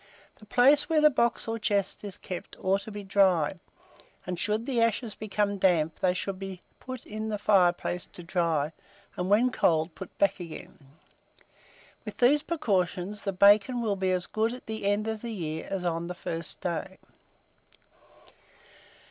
The place where the box or chest is kept ought to be dry, and should the ashes become damp, they should be put in the fireplace to dry, and when cold, put back again. With these precautions, the bacon will be as good at the end of the year as on the first day.